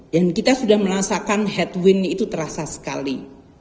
dan kita sudah merasakan headwind itu terasa sekali